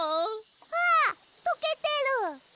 あっとけてる！